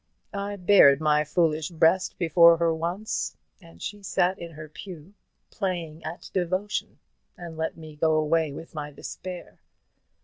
I bared my foolish breast before her once, and she sat in her pew playing at devotion, and let me go away with my despair.